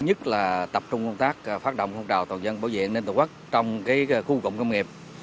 nhất là tập trung công tác phát động phong trào toàn dân bảo vệ an ninh tổ quốc trong khu công nghiệp